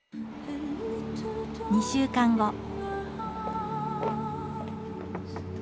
２週間後。